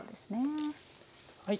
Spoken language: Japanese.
はい。